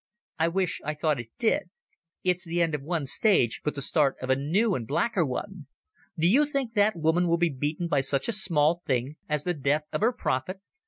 "I wish I thought it did. It's the end of one stage, but the start of a new and blacker one. Do you think that woman will be beaten by such a small thing as the death of her prophet?